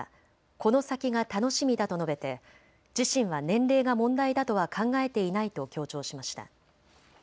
この先が楽しみだと述べて自身は年齢が問題だとは考えていないと強調しました。